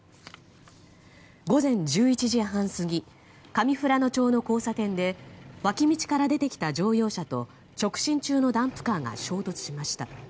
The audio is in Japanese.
午前１１時半過ぎ上富良野町の交差点で脇道から出てきた乗用車と直進中のダンプカーが衝突しました。